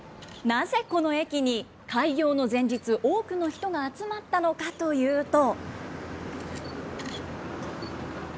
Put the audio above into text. なぜ、この駅に開業の前日、多くの人が集まったのかというと。